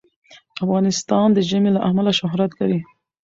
افغانستان د ژمی له امله شهرت لري.